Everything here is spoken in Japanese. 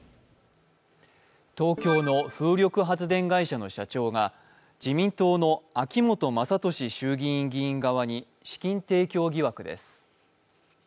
東京の風力発電会社の社長が、自民党の秋本真利衆議院議員側に資金提供疑惑です。